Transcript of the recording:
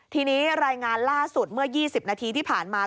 ทีนี้รายงานล่าสุดเมื่อ๒๐นาทีที่ผ่านมา